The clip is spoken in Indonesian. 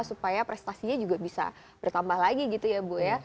supaya prestasinya juga bisa bertambah lagi gitu ya bu ya